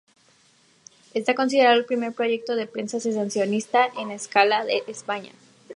Está considerado el primer proyecto de prensa sensacionalista a gran escala en España.